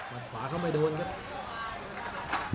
ขวาเขาไม่โดนครับ